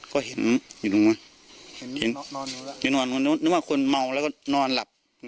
ก็เห็นอยู่ตรงนู้นนึกว่าคนเมาแล้วก็นอนหลับ